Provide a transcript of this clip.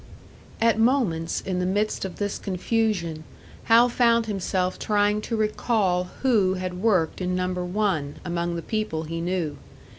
At moments in the midst of this confusion, Hal found himself trying to recall who had worked in Number One, among the people he knew.